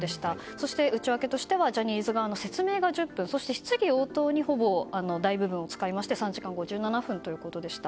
そして内訳としてはジャニーズ側の説明が１０分そして質疑応答にほぼ大部分を使って３時間５７分でした。